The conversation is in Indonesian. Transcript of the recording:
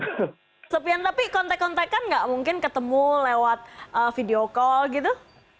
sepian tapi kontek kontekan nggak mungkin ketemu lewat video call gitu